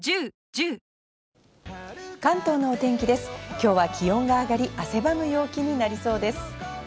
今日は気温が上がり汗ばむ陽気になりそうです。